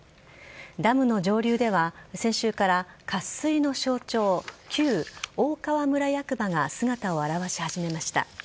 ダムの上流では先週から渇水の象徴旧大川村役場が姿を現し始めました。